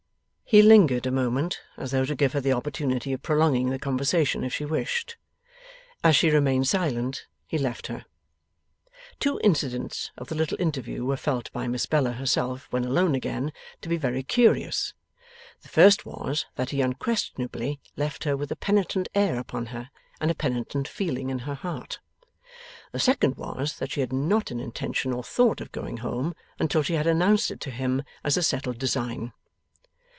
He lingered a moment, as though to give her the opportunity of prolonging the conversation if she wished. As she remained silent, he left her. Two incidents of the little interview were felt by Miss Bella herself, when alone again, to be very curious. The first was, that he unquestionably left her with a penitent air upon her, and a penitent feeling in her heart. The second was, that she had not an intention or a thought of going home, until she had announced it to him as a settled design.